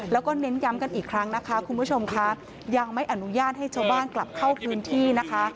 แล้วก็เน้นย้ำกันอีกครั้งนะคะคุณผู้ชมค่ะยังไม่อนุญาตให้ชาวบ้านกลับเข้าพื้นที่นะคะ